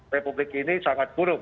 republik ini sangat buruk